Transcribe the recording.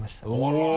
あら！